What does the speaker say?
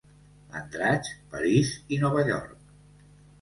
Andratx, París i Nova York.